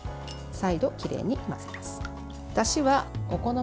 再度きれいに混ぜます。